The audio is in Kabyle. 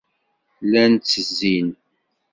Llan ttezzin.